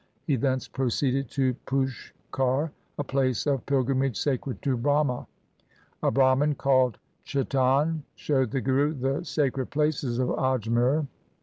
He thence proceeded to Pushkar, a place of pil grimage sacred to Brahma. A Brahman called Chetan showed the Guru the sacred places of Ajmer.